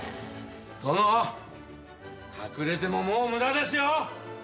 殿隠れてももう無駄ですよ。